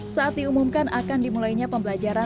saat diumumkan akan dimulainya pembelajaran